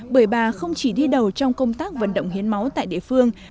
bởi bà không chỉ đi đầu trong công tác vận động hiến máu tại địa phương